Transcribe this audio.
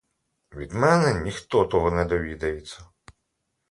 Від мене ніхто того не довідається.